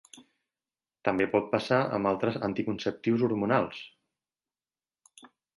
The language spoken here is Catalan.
També pot passar amb altres anticonceptius hormonals.